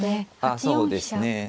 あそうですね。